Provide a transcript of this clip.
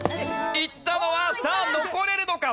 いったのはさあ残れるのか？